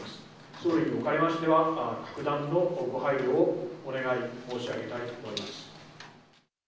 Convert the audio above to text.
総理におかれましては、特段のご配慮をお願い申し上げたいと思います。